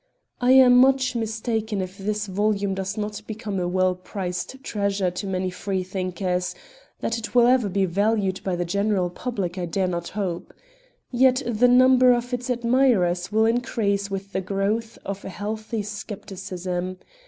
I am much mistaken if this volume does not become a well prized treasure to many Freethinkers; that it will ever be valued by the general public I dare not hope. Yet the number of its admirers will increase with the growth of a healthy scepticism.